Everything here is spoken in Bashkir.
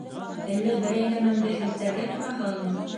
Әллә берәй нәмәмде һелтәргә тораһығыҙмы?